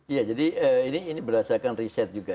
iya jadi ini berdasarkan riset juga